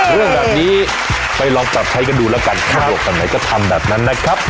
เรื่องแบบนี้ไปลองปรับใช้กันดูแล้วกันว่าปลวกแบบไหนก็ทำแบบนั้นนะครับ